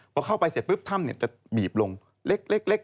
พอเข้าไปเสร็จปุ๊บถ้ำจะบีบลงเล็ก